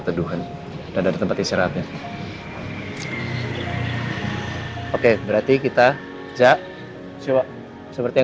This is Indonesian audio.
tuhan dan ada tempat isi rapi oke berarti kita jak sewa seperti yang